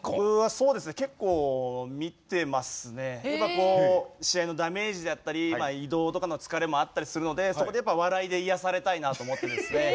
やっぱこう試合のダメージだったり移動とかの疲れもあったりするのでそこでやっぱ笑いで癒やされたいなと思ってですね。